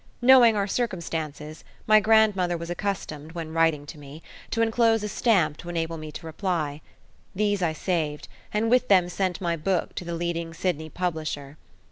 Knowing our circumstances, my grandmother was accustomed, when writing to me, to enclose a stamp to enable me to reply. These I saved, and with them sent my book to the leading Sydney publisher.